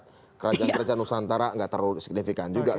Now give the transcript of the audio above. iya kualitas kerja nusantara gak terlalu signifikan juga